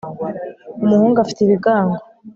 umuhungu afite ibigango